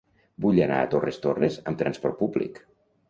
Vull anar a Torres Torres amb transport públic.